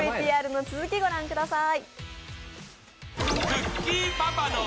ＶＴＲの続きご覧ください。